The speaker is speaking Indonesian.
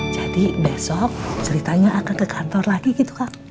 jadi besok ceritanya akan ke kantor lagi gitu kak